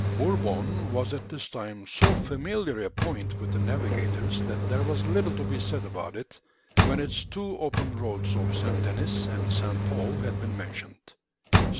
Bourbon was at this time so familiar a point with the navigators that there was little to be said about it, when its two open roads of St. Denis and St. Paul had been mentioned.